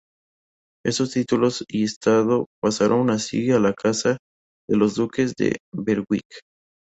Estos títulos y estado pasaron así a la casa de los duques de Berwick.